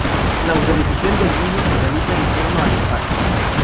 La organización del mismo se realiza en torno a los patios.